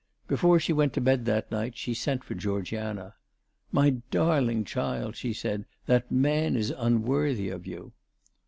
Before she went to bed that night she sent for Georgiana. " My darling child/ 5 she said, " that man is unworthy of you."